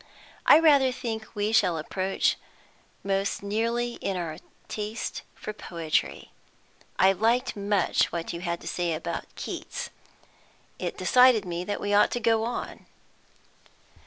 I rather think we shall approach most nearly in our taste for poetry. I liked much what you had to say about Keats. It decided me that we ought to go on."